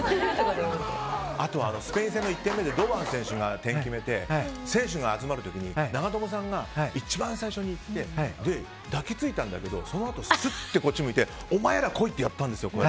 あとはスペイン戦の１点目で堂安選手が点を決めて選手が集まる時に長友さんが一番最初に行って抱き付いたんだけどそのあと、すっとこっちを向いてお前ら来い！ってやったんですよ。